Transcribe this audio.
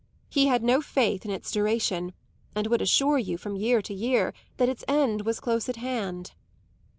He had no faith in its duration and would assure you from year to year that its end was close at hand.